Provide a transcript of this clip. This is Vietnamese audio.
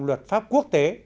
luật pháp quốc tế